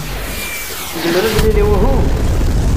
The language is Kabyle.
Yezmer ad d-nini uhu?